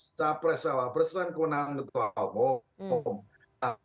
saya presawah persoalan kewenangan ketua umum